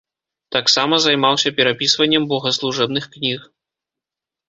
Таксама займаўся перапісваннем богаслужэбных кніг.